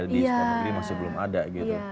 di setiap negeri masih belum ada gitu